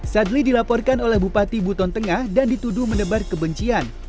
sadli dilaporkan oleh bupati buton tengah dan dituduh menebar kebencian